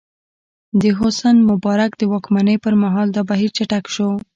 د حسن مبارک د واکمنۍ پر مهال دا بهیر چټک شو.